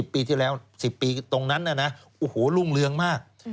ปีที่แล้ว๑๐ปีตรงนั้นนะโอ้โหรุ่งเรืองมาก